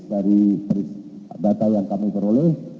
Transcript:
dari data yang kami peroleh